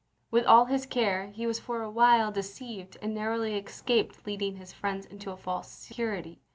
With all his care, he was for a while de ceived, and narrowly escaped leading his friends into a false security.